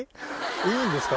いいんですか？